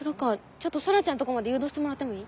ちょっと空ちゃんとこまで誘導してもらってもいい？